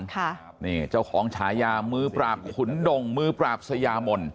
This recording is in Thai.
ค่ะนี่เจ้าของฉายามือปราบขุนดงมือปราบสยามน